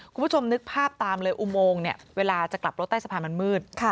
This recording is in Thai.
คุณผู้ชมนึกภาพตามเลยอุโมงเนี่ยเวลาจะกลับรถใต้สะพานมันมืด